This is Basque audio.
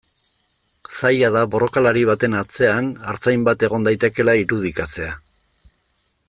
Zaila da borrokalari baten atzean artzain bat egon daitekeela irudikatzea.